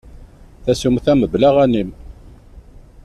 Tasumta mebla aɣanim.